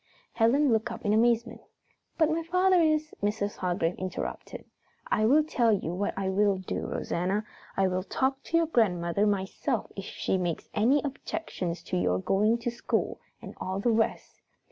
Helen looked up in amazement. "But my father is " Mrs. Hargrave interrupted. "I will tell you what I will do, Rosanna, I will talk to your grandmother myself if she makes any objections to your going to school and all the rest."